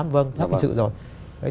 vâng xử lý hình sự rồi